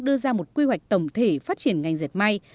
đưa ra một quy hoạch tổng thể phát triển ngành dệt may